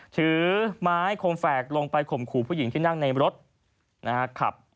ถือไม้คมแฝกลงไปข่มขู่ผู้หญิงที่นั่งในรถนะครับ